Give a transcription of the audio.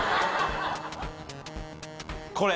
これ。